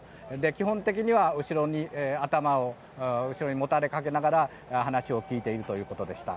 基本的には後ろに頭をもたれかけながら話を聞いているということでした。